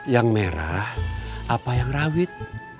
yang merah apa yang rawit